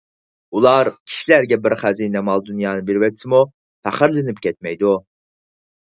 ئۇلار كىشىلەرگە بىر خەزىنە مال – دۇنيانى بېرىۋەتسىمۇ پەخىرلىنىپ كەتمەيدۇ.